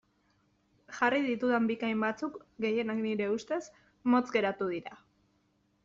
Jarri ditudan bikain batzuk, gehienak nire ustez, motz geratu dira.